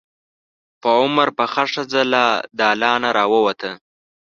په عمر پخه ښځه له دالانه راووته.